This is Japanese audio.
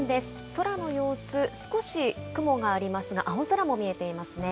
空の様子、少し雲がありますが、青空も見えていますね。